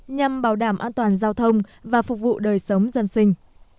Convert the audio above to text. nhằm bảo đảm an toàn giao thông và phục vụ đời sống dân sinh